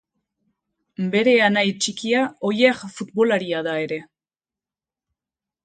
Bere anai txikia Oier futbolaria da ere.